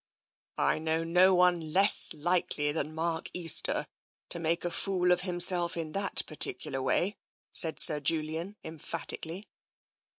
..." I know no one less likely than Mark Easter to make a fool of himself in that particular way," said Julian emphatically.